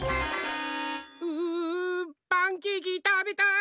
うパンケーキたべたい！